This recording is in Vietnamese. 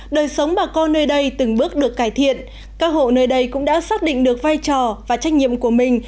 đời sống bà con nơi đây từng bước được cải thiện các hộ nơi đây cũng đã xác định được vai trò và trách nhiệm của mình